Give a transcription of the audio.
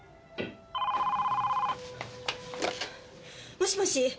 もしもし！